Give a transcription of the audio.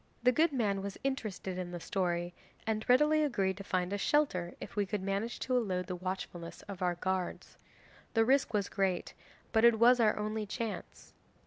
The good man was interested in the story, and readily agreed to find us shelter if we could manage to elude the watchfulness of our guards. The risk was great, but it was our only chance.